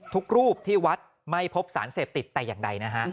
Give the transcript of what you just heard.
รูปที่วัดไม่พบสารเสพติดแต่อย่างใดนะฮะ